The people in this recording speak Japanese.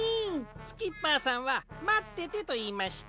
スキッパーさんは「まってて」といいました。